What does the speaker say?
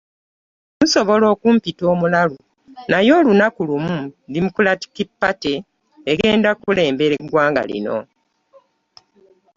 Musobola okumpita omulalu naye olunaku lumu Democratic Party egenda kulembera eggwanga lino.